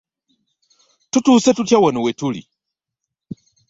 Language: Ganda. Tutuuse tutya wano wetuli?